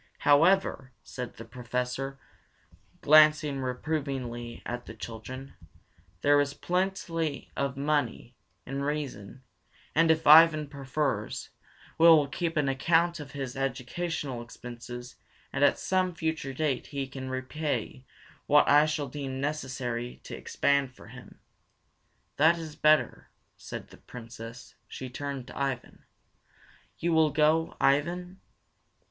"However," said the Professor, glancing reprovingly at the children, "there is plenty of money, in reason, and if Ivan prefers, we will keep an account of his educational expenses, and at some future date he can repay what I shall deem necessary to expend for him." "That is better," said the Princess. She turned to Ivan. "You will go, Ivan."